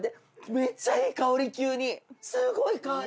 めっちゃいい香り急にすごい香り。